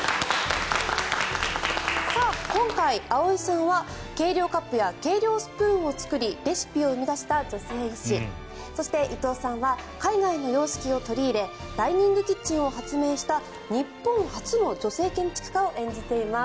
今回、葵さんは計量カップや計量スプーンを作りレシピを生み出した女性医師そして伊藤さんは海外の様式を取り入れダイニングキッチンを開発した日本初の女性建築家を演じています。